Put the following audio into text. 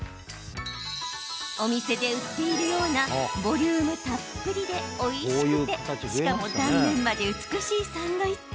お店で売っているようなボリュームたっぷりでおいしくてしかも断面まで美しいサンドイッチ。